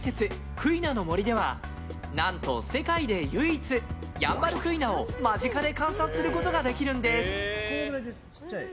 クイナの森では何と、世界で唯一ヤンバルクイナを間近で観察することができるんです。